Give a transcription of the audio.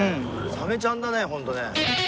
サメちゃんだねホントね。